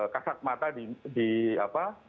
kasat mata di apa